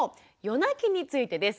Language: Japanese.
夜泣きについてです。